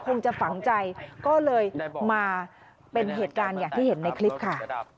จะฝังใจก็เลยมาเป็นเหตุการณ์อย่างที่เห็นในคลิปค่ะ